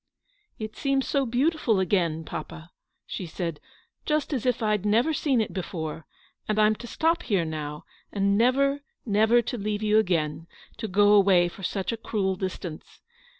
" It seems so beautiful again, papa," she said, "just as if I'd never seen it before; and I'm to stop here now, and never, never to leave you again, to go away for such a cruel distance.